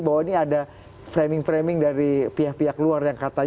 bahwa ini ada framing framing dari pihak pihak luar yang katanya ingin mengembangkan hal ini